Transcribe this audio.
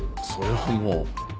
それはもう。